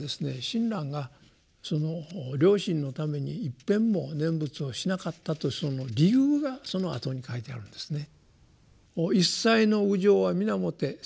親鸞がその両親のためにいっぺんも念仏をしなかったとその理由がそのあとに書いてあるんですね。